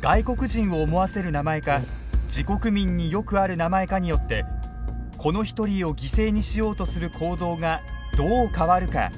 外国人を思わせる名前か自国民によくある名前かによってこの一人を犠牲にしようとする行動がどう変わるか調べたのです。